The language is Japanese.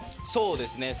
そうですね。